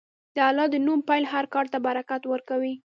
د الله د نوم پیل هر کار ته برکت ورکوي.